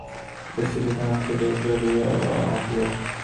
গোষ্ঠী থেকে আমাকে বের করে দেয়া হল।